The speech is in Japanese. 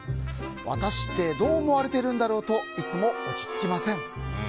私ってどう思われているんだろうといつも落ち着きません。